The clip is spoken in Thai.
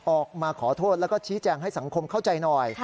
ออกมาขอโทษแล้วก็ชี้แจงให้สังคมเข้าใจหน่อย